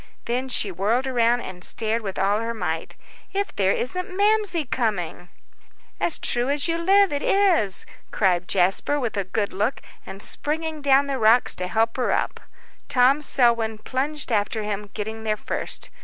Then she whirled around and stared with all her might, "If there isn't Mamsie coming!" "As true as you live it is!" cried Jasper, with a good look, and springing down the rocks to help her up. Tom Selwyn plunged after him, getting there first.